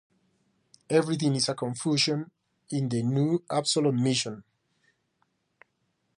Everything is a confusion in the New Apsolon mission.